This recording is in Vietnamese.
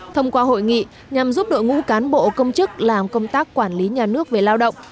thông qua hội nghị nhằm giúp đội ngũ cán bộ công chức làm công tác quản lý nhà nước về lao động